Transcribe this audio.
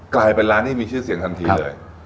กลายเป็นร้านที่มีชื่อเสียงทันทีเลย